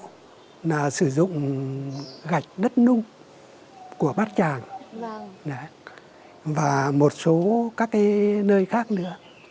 thứ hai là sử dụng gạch đất nung của bác chàng và một số các nơi khác nữa